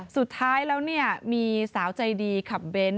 สุดท้ายแล้วเนี่ยมีสาวใจดีขับเบ้น